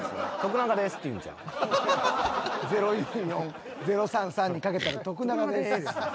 ０４４０３３にかけたら「徳永です」